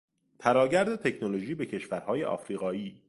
تراگرد تکنولوژی به کشورهای افریقایی